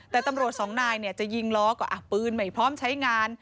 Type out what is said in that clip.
แต่ตำรวจสองนายจะยิงล้อก็อ่ะปืนใหม่พร้อมใช้งาน